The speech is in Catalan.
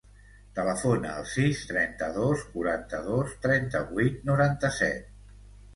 Telefona al sis, trenta-dos, quaranta-dos, trenta-vuit, noranta-set.